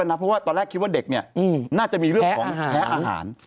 เพราะว่าตอนแรกคิดว่าเด็กน่าจะมีเรื่องของแพ้อาหาร